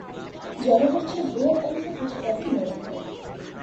জনগোষ্ঠীর বৃহৎ অংশই কৃষিকাজে নিয়োজিত।